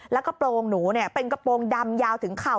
แล้วก็โปรงหนูเป็นกระโปรงดำยาวถึงเข่า